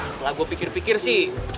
setelah gue pikir pikir sih